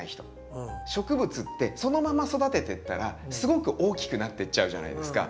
植物ってそのまま育ててったらすごく大きくなってっちゃうじゃないですか。